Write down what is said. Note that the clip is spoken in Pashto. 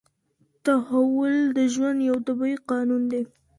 تحول د ژوند یو طبیعي قانون دی.